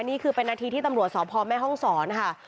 นี่คือเป็นนาทีที่ตำรวจสอบพร้อมแม่ห้องสอนนะคะ